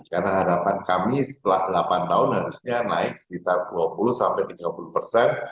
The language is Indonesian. karena harapan kami setelah delapan tahun harusnya naik sekitar dua puluh tiga puluh persen